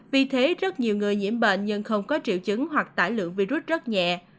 vì thế rất nhiều người nhiễm bệnh nhưng không có triệu chứng hoặc tải lượng virus rất nhẹ